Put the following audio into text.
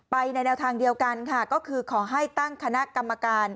ในแนวทางเดียวกันค่ะก็คือขอให้ตั้งคณะกรรมการ